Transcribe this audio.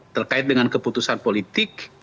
terkait dengan keputusan politik